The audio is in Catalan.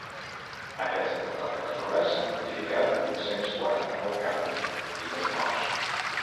Aquestes darreres hores s’han notificat vuit-cents quaranta-nou casos i dos morts.